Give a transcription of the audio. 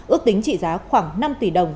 ước tính trị giá khoảng năm tỷ đồng